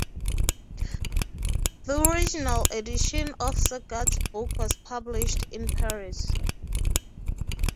The original edition of Sagard's book was published in Paris.